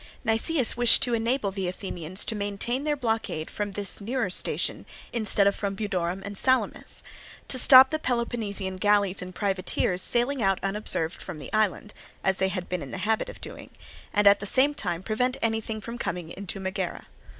Nicias wished to enable the Athenians to maintain their blockade from this nearer station instead of from Budorum and Salamis; to stop the Peloponnesian galleys and privateers sailing out unobserved from the island, as they had been in the habit of doing; and at the same time prevent anything from coming into Megara.